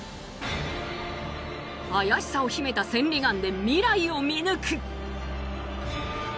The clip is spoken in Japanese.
怪しさを秘めた千里眼で未来を見抜く。